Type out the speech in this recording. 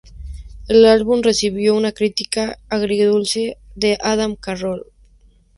El álbum recibió una crítica agridulce de Adam Carroll.